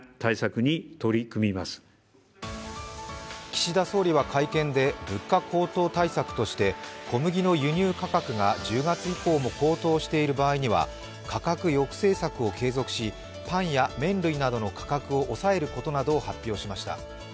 岸田総理は会見で物価高騰対策として小麦の輸入価格が１０月以降も高騰している場合には価格抑制策を継続し、パンや麺類などの価格を抑えることなどを発表しました。